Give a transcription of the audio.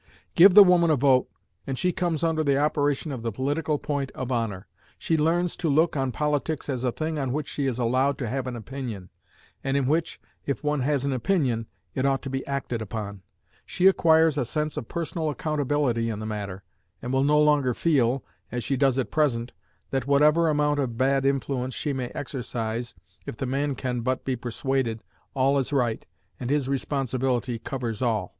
Give the woman a vote, and she comes under the operation of the political point of honor. She learns to look on politics as a thing on which she is allowed to have an opinion, and in which, if one has an opinion, it ought to be acted upon; she acquires a sense of personal accountability in the matter, and will no longer feel, as she does at present, that whatever amount of bad influence she may exercise, if the man can but be persuaded, all is right, and his responsibility covers all.